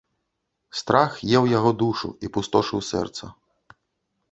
Страх еў яго душу і пустошыў сэрца.